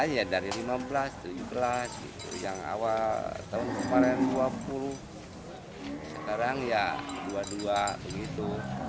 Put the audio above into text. ya dari lima belas tujuh belas yang awal tahun kemarin dua puluh sekarang ya dua puluh dua begitu